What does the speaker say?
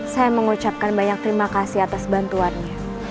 saya mengucapkan banyak terima kasih atas bantuannya